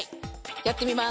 やってみます。